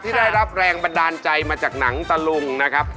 ได้รับแรงบันดาลใจมาจากหนังตะลุงนะครับ